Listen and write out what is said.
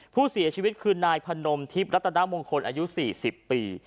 ผู้เสียชีวิตคือนายพนมทิพย์รัฐนามงคลอายุ๔๐ปี